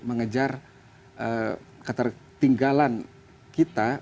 mengejar ketinggalan kita